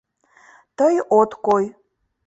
Тый от кой